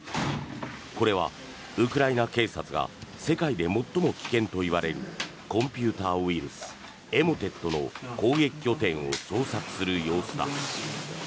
これは、ウクライナ警察が世界で最も危険といわれるコンピューターウイルスエモテットの攻撃拠点を捜索する様子だ。